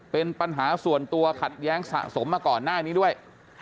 เป็นปัญหาส่วนตัวขัดแย้งสะสมมาก่อนหน้านี้ด้วย